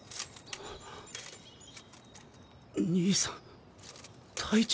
兄さん隊長。